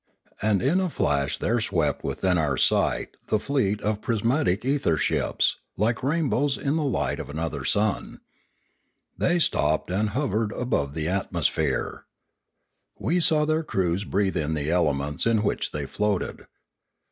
And in a flash there swept Pioneering 473 within our sight the fleet of prismatic ether ships, like rainbows in the light of another sun. They stopped and hovered above the atmosphere. We saw their crews breathe in the elements in which they floated.